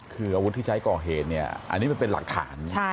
คืออาวุธที่ใช้ก่อเหตุเนี่ยอันนี้มันเป็นหลักฐาน